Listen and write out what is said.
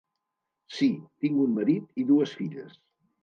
Sí, tinc un marit i dues filles.